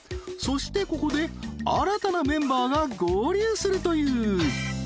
［そしてここで新たなメンバーが合流するという］